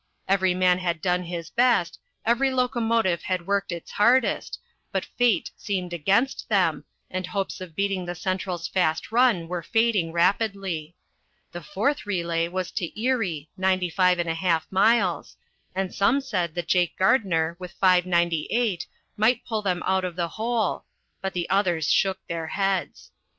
Every man had done his best, every locomotive had worked its hardest, but fate seemed against them and hopes of beating the Central's fast run were fading rapidly. The fourth relay was to Erie, 95½ miles, and some said that Jake Gardner with 598 might pull them out of the hole, but the others shook their heads.